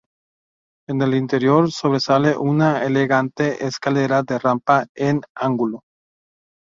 En el interior sobresale una elegante escalera de rampa en ángulo.